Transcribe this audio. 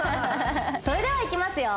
それではいきますよ